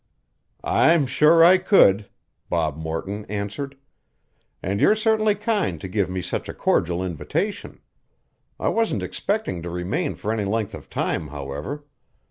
"I'm sure I could," Bob Morton answered, "and you're certainly kind to give me such a cordial invitation. I wasn't expecting to remain for any length of time, however.